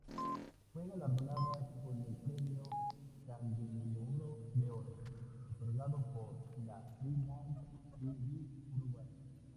Fue galardonada con el Premio Candelabro de Oro otorgado por la B'nai B'rith Uruguay.